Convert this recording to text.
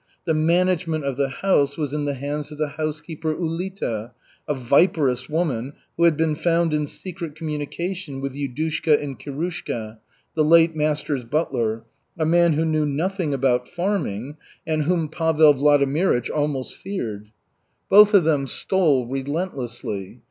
The management of the house was in the hands of the housekeeper Ulita, a viperous woman who had been found in secret communication with Yudushka and Kirushka, the late master's butler, a man who knew nothing about farming and whom Pavel Vladimirych almost feared. Both of them stole relentlessly.